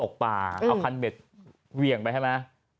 ตกปลาเอาคันเบ็ดเวี่ยงไปให้ไหม